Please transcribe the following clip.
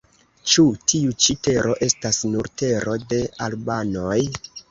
Ĉu tiu ĉi tero estas nur tero de albanoj?